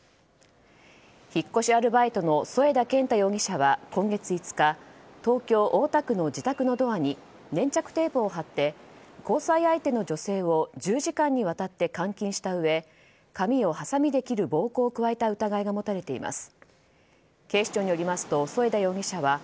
引っ越しアルバイトの添田健太容疑者は今月５日東京・大田区の自宅のドアに粘着テープを貼って交際相手の女性を１０時間にわたって監禁したうえ髪をはさみで切る暴行を加えた疑いが持たれています。